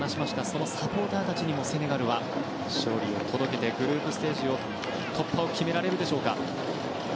そのサポーターたちにもセネガルは勝利を届けてグループステージ突破を決められるでしょうか。